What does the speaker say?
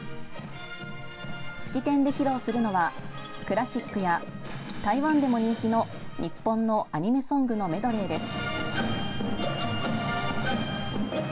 式典で披露するのはクラシックや台湾でも人気の、日本のアニメソングのメドレーです。